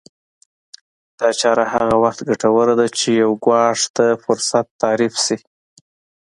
دا چاره هغه وخت ګټوره ده چې يو ګواښ ته فرصت تعريف شي.